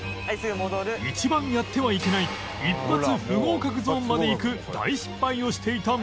一番やってはいけない一発不合格ゾーンまで行く大失敗をしていた道枝